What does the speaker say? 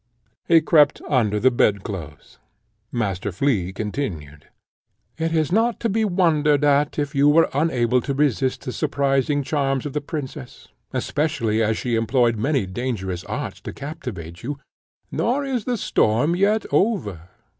He crept under the bed clothes. Master Flea continued: "It is not to be wondered at if you were unable to resist the surprising charms of the princess, especially as she employed many dangerous arts to captivate you. Nor is the storm yet over.